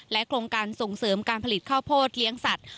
โครงการส่งเสริมการผลิตข้าวโพดเลี้ยงสัตว